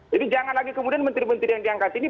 jadi jangan lagi kemudian menteri menteri yang diangkat ini